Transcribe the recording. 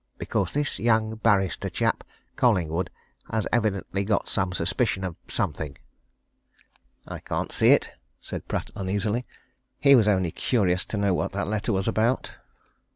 Because this young barrister chap, Collingwood, has evidently got some suspicion of something." "I can't see it," said Pratt uneasily. "He was only curious to know what that letter was about."